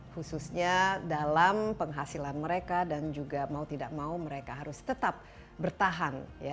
khususnya dalam penghasilan mereka dan juga mau tidak mau mereka harus tetap bertahan